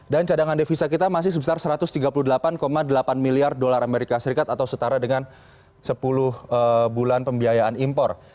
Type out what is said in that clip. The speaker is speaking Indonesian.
dan cadangan devisa kita masih sebesar satu ratus tiga puluh delapan delapan miliar dolar amerika serikat atau setara dengan sepuluh bulan pembiayaan impor